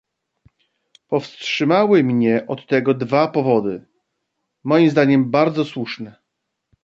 "Powstrzymywały mnie od tego dwa powody, mojem zdaniem bardzo słuszne."